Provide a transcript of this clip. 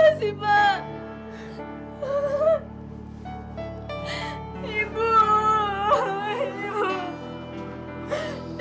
terima kasih pak